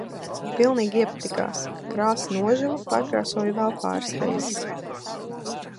Pilnīgi iepatikās. Krāsa nožuva, pārkrāsoju vēl pāris reizes.